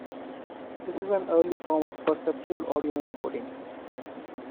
This is an early form of perceptual audio encoding.